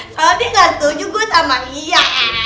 kalo dia ga setuju gua sama dia